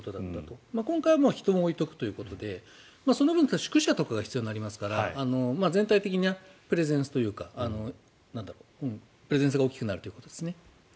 今回は人も置いておくというおことでその分宿舎とかが必要になりますから全体的なプレゼンスが大きくなるということですね。